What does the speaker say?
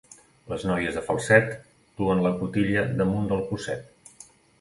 Les noies de Falset duen la cotilla damunt del cosset.